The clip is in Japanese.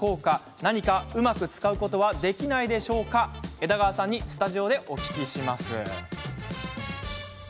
何かにうまく使うことはできないのか、枝川さんにスタジオでお聞きします。